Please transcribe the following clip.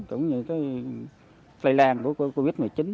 cũng như cái lây lan của covid một mươi chín